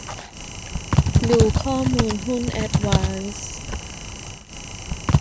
ดูข้อมูลหุ้นแอดวานซ์